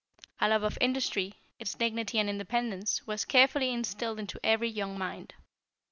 A love of industry, its dignity and independence, was carefully instilled into every young mind.